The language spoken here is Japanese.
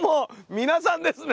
皆さんですね。